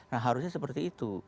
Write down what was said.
nah harusnya seperti itu